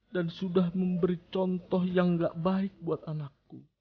dan sudah memberi contoh yang gak baik buat anakku